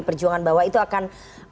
perjuangan bahwa itu akan